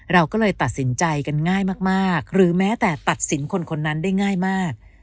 เราก็เลยตัดสินใจกันง่ายมากหรือแม้แต่ตัดสินคนคนนั้นได้ง่ายมาก